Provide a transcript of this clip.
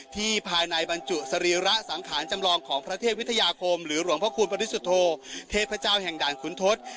ภายในบรรจุสรีระสังขารจำลองของพระเทพวิทยาคมหรือหลวงพระคุณปริสุทธโธเทพเจ้าแห่งด่านขุนทศ